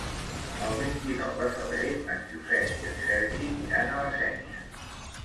El vint-i-nou de febrer en Josep i en Sergi iran a la Sénia.